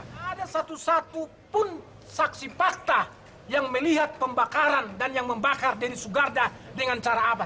tidak ada satu satu pun saksi fakta yang melihat pembakaran dan yang membakar denny sugarda dengan cara apa